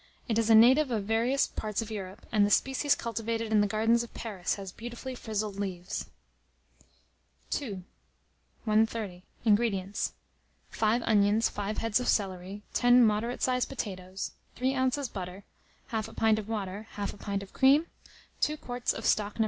It is a native of various parts of Europe; and the species cultivated in the gardens of Paris, has beautifully frizzled leaves. II. 130. INGREDIENTS. 5 onions, 5 heads of celery, 10 moderate sized potatoes, 3 oz. butter, 1/2 pint of water, 1/2 pint of cream, 2 quarts of stock No.